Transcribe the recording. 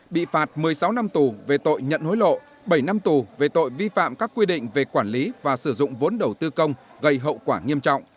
bị phạt một mươi sáu năm tù về tội nhận hối lộ bảy năm tù về tội vi phạm các quy định về quản lý và sử dụng vốn đầu tư công gây hậu quả nghiêm trọng